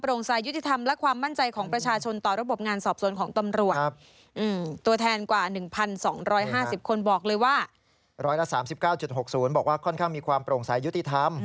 ร้อยละ๓๙๖๐บอกว่าค่อนข้างมีความโปร่งใสยุติธรรม